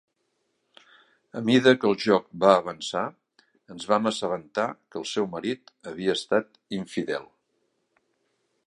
A mida que el joc va avançar, ens vam assabentar que el seu marit havia estat infidel.